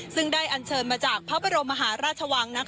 ซึ่งได้อันเชิญมาจากพระบรมมหาราชวัง